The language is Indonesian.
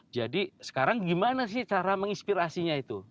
jadi sekarang gimana sih cara menginspirasinya itu